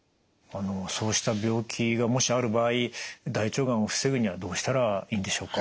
そうした病気がもしある場合大腸がんを防ぐにはどうしたらいいんでしょうか？